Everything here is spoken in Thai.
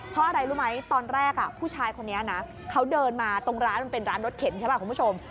เพราะอะไรรู้ไหมตอนแรกผู้ชายคนนี้นะเขาเดินมาตรงร้านมันเป็นร้านรถเข็นใช่ป่ะคุณผู้ชม